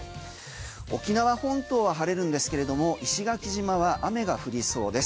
沖縄本島は晴れるんですけれど石垣島は雨が降りそうです。